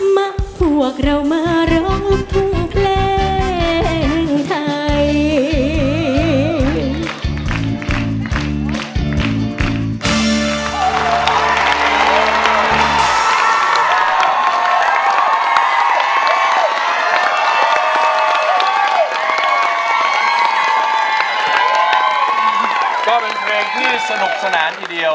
มาพวกเรามาร้องผู้เพลงไทย